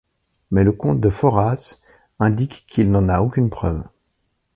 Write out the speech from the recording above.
Mais le comte de Foras indique qu'il n'en a aucune preuve.